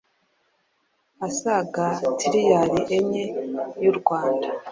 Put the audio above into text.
asaga tiliyari enye y'u Rwanda